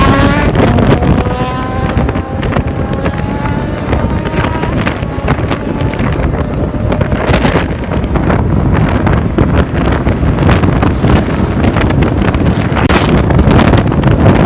แต่ว่าเมืองนี้ก็ไม่เหมือนกับเมืองอื่น